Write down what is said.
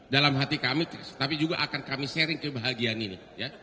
dalam hati kami tapi juga akan kami sharing kebahagiaan ini